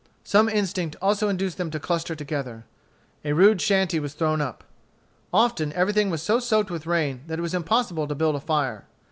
Some instinct also induced them to cluster together. A rude shanty was thrown up. Often everything was so soaked with rain that it was impossible to build a fire.